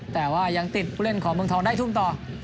แต่ว่ายังติดผู้เล่นของเมืองทองได้ทุ่มต่อ